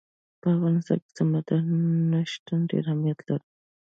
په افغانستان کې سمندر نه شتون ډېر اهمیت لري.